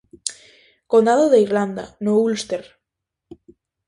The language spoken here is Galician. Condado de Irlanda, no Úlster.